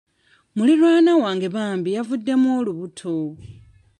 Muliraanwa wange bambi yavuddemu olubuto.